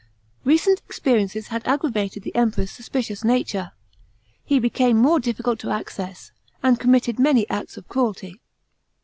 Kecent experiences had aggravated the Emperor's suspicious nature. He became more difficult of access, and committed many acts of cruelty.